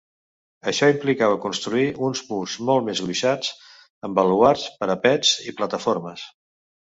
Això implicava construir uns murs molts més gruixats, amb baluards, parapets i plataformes.